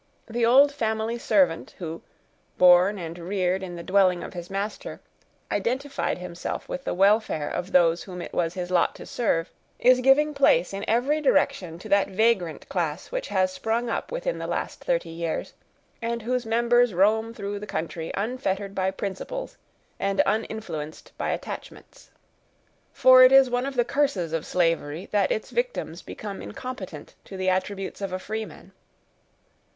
The old family servant who, born and reared in the dwelling of his master, identified himself with the welfare of those whom it was his lot to serve, is giving place in every direction to that vagrant class which has sprung up within the last thirty years, and whose members roam through the country unfettered by principles, and uninfluenced by attachments. For it is one of the curses of slavery, that its victims become incompetent to the attributes of a freeman.